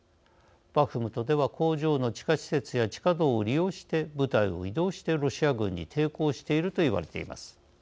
バフムトでは、工場の地下施設や地下道を利用して部隊を移動してロシア軍に抵抗していると言われています。